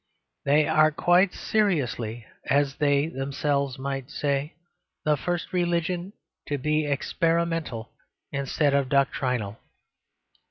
They are quite seriously, as they themselves might say, the first religion to be experimental instead of doctrinal.